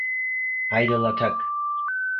Idol Attack!